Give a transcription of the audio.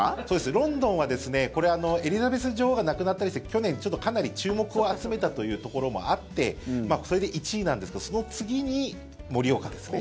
ロンドンはエリザベス女王が亡くなったりして去年、かなり注目を集めたというところもあってそれで１位なんですけどその次に盛岡ですね。